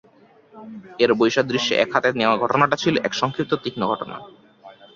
এর বৈসাদৃশ্যে, এক হাতে নেওয়া ঘটনাটা ছিল এক সংক্ষিপ্ত, তীক্ষ্ণ ঘটনা।